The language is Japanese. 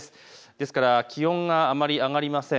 ですから気温があまり上がりません。